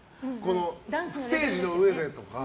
ステージの上でとか？